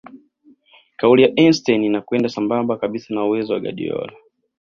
kauli ya Einstein inakwenda sambamba kabisa na uwezo wa Guardiola